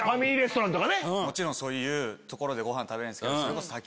もちろんそういう所でご飯食べれるんですけど。